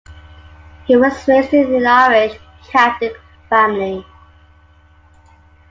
He was raised in an Irish Catholic family.